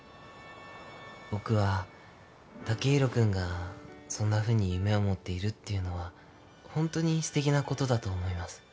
僕は剛洋君がそんなふうに夢を持っているっていうのはホントにすてきなことだと思います。